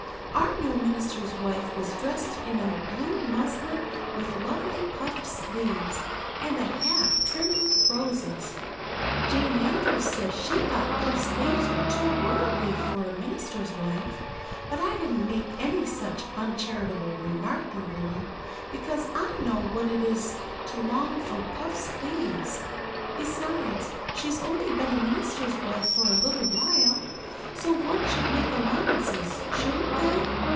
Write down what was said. Our new minister's wife was dressed in blue muslin with lovely puffed sleeves and a hat trimmed with roses. Jane Andrews said she thought puffed sleeves were too worldly for a minister's wife, but I didn't make any such uncharitable remark, Marilla, because I know what it is to long for puffed sleeves. Besides, she's only been a minister's wife for a little while, so one should make allowances, shouldn't they?